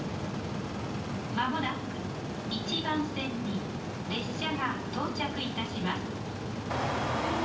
「まもなく１番線に列車が到着いたします」。